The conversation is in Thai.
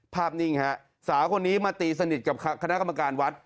นิ่งฮะสาวคนนี้มาตีสนิทกับคณะกรรมการวัด